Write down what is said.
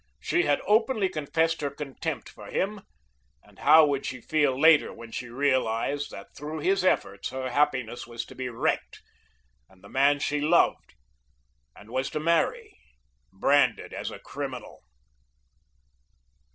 She had openly confessed her contempt for him, and how would she feel later when she realized that through his efforts her happiness was to be wrecked, and the man she loved and was to marry branded as a criminal?